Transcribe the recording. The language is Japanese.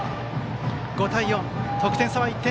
５対４、得点差は１点。